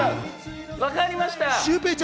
分かりました。